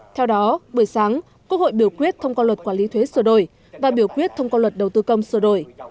theo đó buổi sáng quốc hội biểu quyết thông qua luật quản lý thuế sửa đổi và biểu quyết thông qua luật đầu tư công sửa đổi